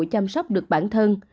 chăm sóc được bản thân